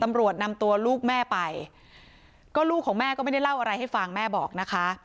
ตำรวจนำตัวลูกแม่ไปก็ลูกของแม่ก็ไม่ได้เล่าอะไรให้ฟังแม่บอกนะคะ